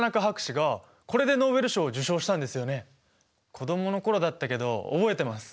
子供の頃だったけど覚えてます。